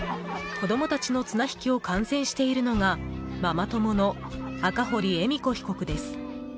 子供たちの綱引きを観戦しているのがママ友の赤堀恵美子被告です。